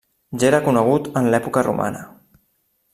Ja era conegut en l'època romana.